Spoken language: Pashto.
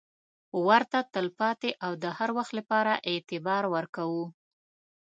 ورته تل پاتې او د هروخت لپاره اعتبار ورکوو.